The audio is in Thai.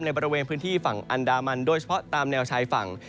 บริเวณพื้นที่ฝั่งอันดามันโดยเฉพาะตามแนวชายฝั่ง